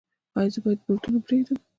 ایا زه باید بروتونه پریږدم؟